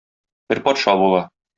Бер патша була.